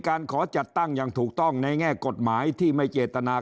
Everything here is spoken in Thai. การขอจัดตั้งอย่างถูกต้องในแง่กฎหมายที่ไม่เจตนา